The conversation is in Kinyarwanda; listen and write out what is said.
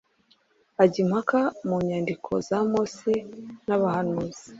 ajya impaka mu nyandiko za Mose n’abahanuzi,